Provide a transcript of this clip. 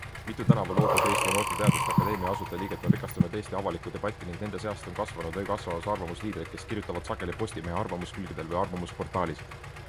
Mitu tänavu loodud Eesti Noorte Teaduste Akadeemia asutajaliiget on rikastanud Eesti avalikku debatti ning nende seast on kasvanud või kasvamas arvamusliidreid, kes kirjutavad sageli Postimehe arvamuskülgedel või arvamusportaalis.